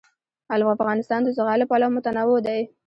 افغانستان د زغال له پلوه متنوع دی.